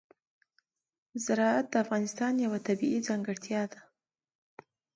زراعت د افغانستان یوه طبیعي ځانګړتیا ده.